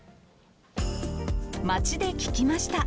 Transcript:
街で聞きました。